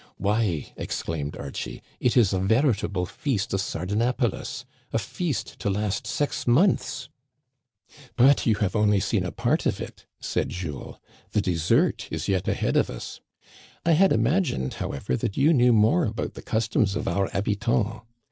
Why !" exclaimed Archie, " it is a veritable feast of Sardanapalus — a feast to last six months !" But you have only seen a part of it," said Jules. " The dessert is yet ahead of us. I had imagined, how ever, that you knew more about the customs of our hab itants.